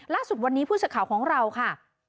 ล่าสุดวันนี้ผู้เศรษฐ์ของเราค่ะ